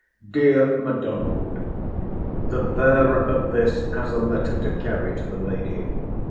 DEAR M'DONALD, The bearer of this has a letter to carry to the lady.